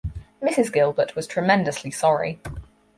Mrs. Gilbert was tremendously sorry.